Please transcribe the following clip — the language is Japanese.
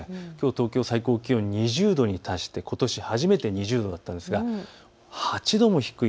東京、最高気温きょう２０度に達してことし初めて２０度だったんですが８度も低い